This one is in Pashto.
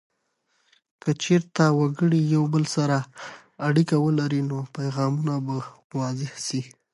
که چیرته وګړي یو بل سره اړیکه ولري، نو پیغامونه به واضح سي.